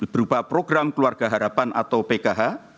berupa program keluarga harapan atau pkh